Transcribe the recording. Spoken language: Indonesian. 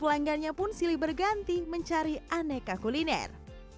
ataupun silih berganti mencari aneka kuliner